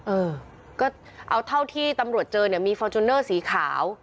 เออก็เอาเท่าที่ตำรวจเจอเนี่ยมีฟอร์จูเนอร์สีขาว